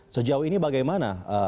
sejauh ini bagaimana